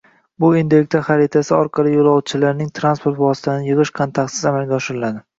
Bu Endilikda xaritasi orqali jo'lovchilarning transport vositalarini yig'ish kontaktsiz amalga oshiriladi